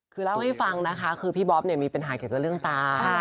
คือเล่าให้ฟังนะคะคือพี่บ๊อบเนี่ยมีปัญหาเกี่ยวกับเรื่องตา